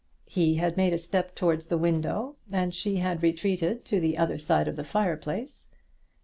He had made a step towards the window, and she had retreated to the other side of the fire place.